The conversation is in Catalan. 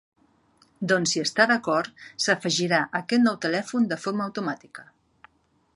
Doncs si està d'acord, s'afegirà aquest nou telèfon de forma automàtica.